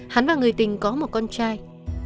hắn và người tình có một con trai